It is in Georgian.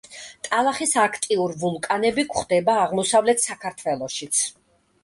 ტალახის აქტიურ ვულკანები გვხვდება აღმოსავლეთ საქართველოშიც.